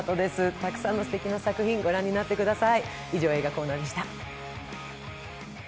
たくさんのすてきな作品御覧になってください。